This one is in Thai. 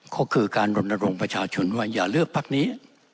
ก็คือการรณรงค์ประชาชนว่าอย่าเลือกพักนี้